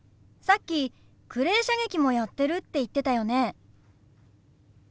さっきクレー射撃もやってるって言ってたよね？